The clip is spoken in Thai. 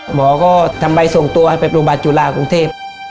หมอก็ทำใบส่งตัวไปปรุงบาทจุฬาคกรุงเทพฯ